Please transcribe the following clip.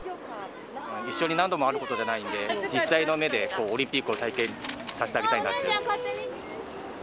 一生に何度もあることじゃないんで、実際の目でオリンピックを体験させてあげたいなと。